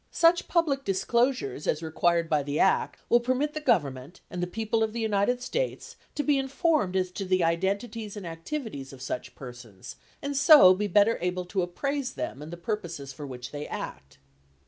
Such public disclosures as required by the act will permit the Government and the people of the United States to be in formed as to the identities and activities of such persons and so be better able to appraise them and the purposes for which they act.